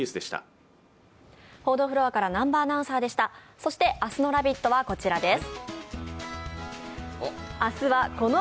そして明日の「ラヴィット！」はこちらです。